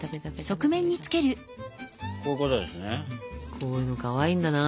こういうのかわいいんだな。